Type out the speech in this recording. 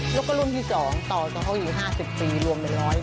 แล้วก็ร่วมที่สองต่อเขาอีก๕๐ปีรวมเป็น๑๐๐ปี